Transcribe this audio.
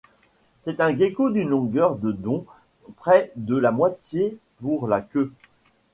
C'est un gecko d'une longueur de dont près de la moitié pour la queue.